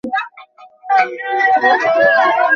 আচ্ছা, ওঠো, ভায়া।